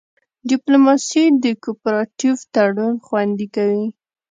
ډیپلوماسي د کوپراتیف تړون خوندي کوي